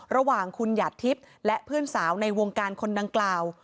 ระหว่างคุณหยาดทิพย์และเพื่อนสาวในวงการคนดังกล่าว